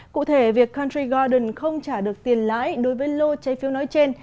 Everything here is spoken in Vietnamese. cụ thể việc country garden không trả được tiền lãi đối với lô trái phiếu nói trên